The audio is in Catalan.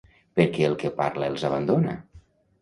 Per què el que parla els abandona?